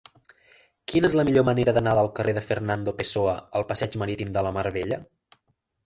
Quina és la millor manera d'anar del carrer de Fernando Pessoa al passeig Marítim de la Mar Bella?